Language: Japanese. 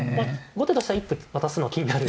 後手としては一歩渡すのが気になる。